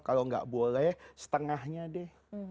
kalau nggak boleh setengahnya deh